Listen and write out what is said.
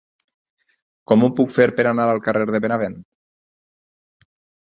Com ho puc fer per anar al carrer de Benevent?